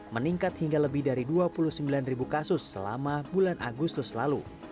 meningkat hingga lebih dari dua puluh sembilan ribu kasus selama bulan agustus lalu